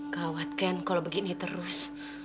gawat ken kalau begini terus